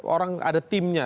orang ada timnya